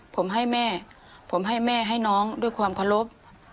ผมให้แม่ผมให้แม่ให้น้องด้วยความเคารพ